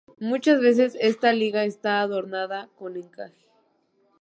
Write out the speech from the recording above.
Muchas veces esta liga está adornada con encaje.